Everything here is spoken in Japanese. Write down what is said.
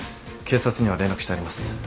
警察には連絡してあります。